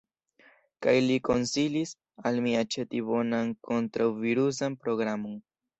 Kaj li konsilis al mi aĉeti bonan kontraŭvirusan programon.